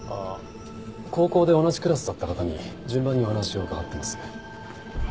高校で同じクラスだった方に順番にお話を伺っています。